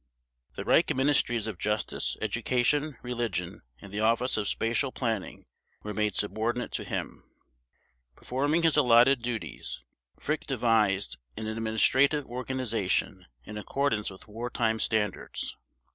The Reich Ministries of Justice, Education, Religion, and the Office of Spatial Planning were made subordinate to him. Performing his allotted duties, Frick devised an administrative organization in accordance with wartime standards.